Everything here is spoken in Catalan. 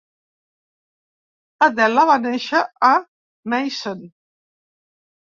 Adela va néixer a Meissen.